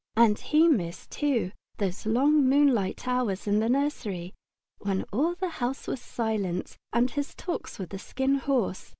And he missed, too, those long moonlight hours in the nursery, when all the house was silent, and his talks with the Skin Horse.